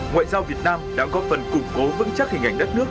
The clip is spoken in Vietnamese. ngoại giao việt nam đã góp phần củng cố vững chắc hình ảnh đất nước